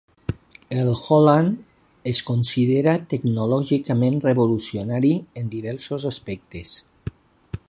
El Holland es considera tecnològicament revolucionari en diversos aspectes.